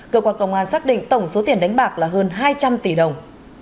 cơ quan công an xác định tổng số tiền đánh bạc là hơn hai trăm linh tỷ đồng